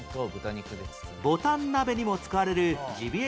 ぼたん鍋にも使われるジビエ